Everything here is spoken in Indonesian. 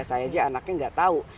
saya aja anaknya nggak tahu